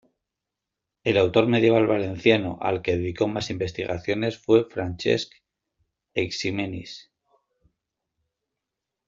El autor medieval valenciano al que dedicó más investigaciones fue Francesc Eiximenis.